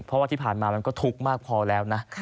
เพราะว่าที่ผ่านมามันก็ทุกข์มากพอแล้วนะ